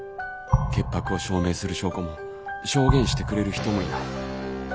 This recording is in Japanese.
潔白を証明する証拠も証言してくれる人もいない。